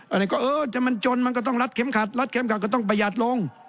อันนี้ก็เออจะมันจนมันก็ต้องรัดเข็มขัดรัดเข็มขัดก็ต้องประหยัดลง